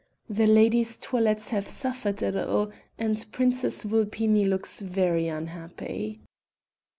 The ladies' toilets have suffered a little and Princess Vulpini looks very unhappy.